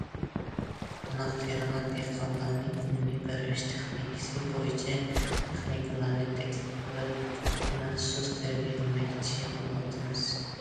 قوناق تېرىغان دېھقانلارنى ئىلمىي پەرۋىش تېخنىكىسى بويىچە تېخنىكلارنى تەكلىپ قىلىپ مەخسۇس تەربىيەلىمەكچى بولۇۋاتىمىز.